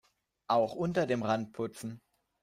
Auch unter dem Rand putzen!